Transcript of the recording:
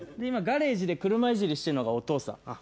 今ガレージで車いじりしてるのがお父さん。